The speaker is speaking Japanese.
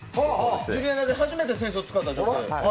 ジュリアナで初めて扇子を使った女性。